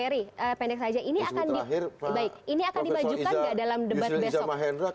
ini akan dibajukan gak dalam debat besok